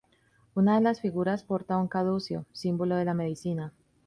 Una de las figuras porta un caduceo, símbolo de la medicina.